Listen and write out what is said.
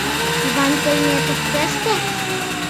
Иван Тойметов тыште?